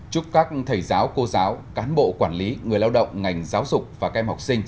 chúc các thầy giáo cô giáo cán bộ quản lý người lao động ngành giáo dục và các em học sinh